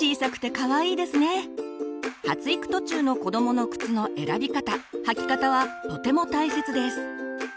発育途中の子どもの靴の選び方履き方はとても大切です。